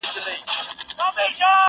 زه خو پر ځان خپله سایه ستایمه,